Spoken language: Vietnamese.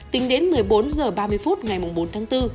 tính đến một mươi bốn h ba mươi phút ngày bốn tháng bốn